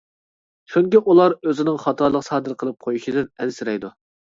چۈنكى ئۇلار ئۆزىنىڭ خاتالىق سادىر قىلىپ قويۇشىدىن ئەنسىرەيدۇ.